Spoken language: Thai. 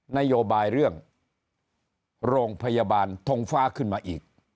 นโยบายเรื่องโรงพยาบาลทงฟ้าขึ้นมาอีก